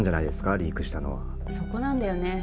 リークしたのはそこなんだよね